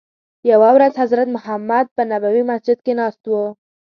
یوه ورځ حضرت محمد په نبوي مسجد کې ناست وو.